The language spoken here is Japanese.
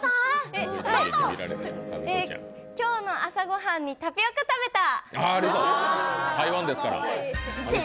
今日の朝御飯にタピオカ食べた。